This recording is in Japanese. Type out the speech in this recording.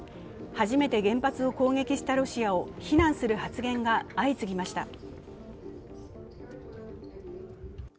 初めて原発を攻撃したロシアを非難する発言が相次ぎました。